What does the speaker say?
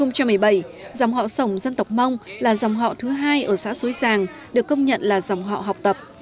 năm hai nghìn một mươi bảy dòng họ sổng dân tộc mông là dòng họ thứ hai ở xã xối giàng được công nhận là dòng họ học tập